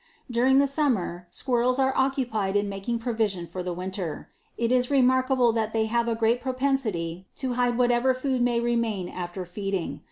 During the sum mer, squirrels are occupied in making provision for the winter ; it is remarked that they have a great propensity to hide what ever food may remain after feeding.